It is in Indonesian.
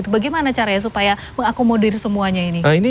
bagaimana caranya supaya mengakomodir semuanya ini